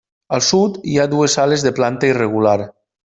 Al sud hi ha dues sales de planta irregular.